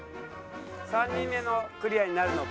３人目のクリアになるのか？